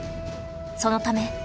そのため